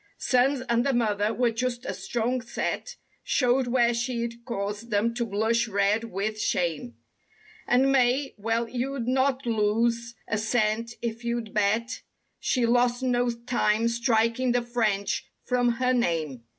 Sons and the mother were just as strong set Showed where she'd caused them to blush red with shame. And Mae—^well you'd not lose a cent if you'd bet She lost no time striking the French from her' name.